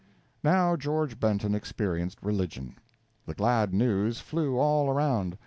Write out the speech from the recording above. Now George Benton experienced religion. The glad news flew all around.